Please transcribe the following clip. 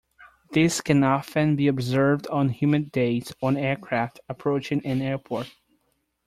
This can often be observed on humid days on aircraft approaching an airport.